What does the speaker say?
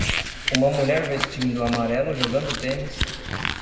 uma mulher vestindo amarelo jogando tênis